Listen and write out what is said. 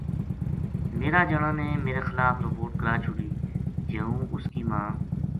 میرا جنا نے میرے خلاف رپوٹ کرا چھُڑی جے ہوں اُس کی ماں